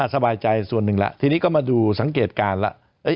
สบายใจส่วนหนึ่งแล้วทีนี้ก็มาดูสังเกตการณ์แล้ว